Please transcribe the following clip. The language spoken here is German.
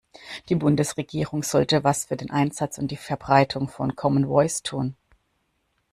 Die Bundesregierung sollte was für den Einsatz und die Verbreitung von Common Voice tun.